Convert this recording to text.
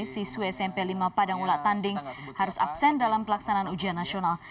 siswa smp lima padangulatanding harus absen dalam pelaksanaan ujian nasional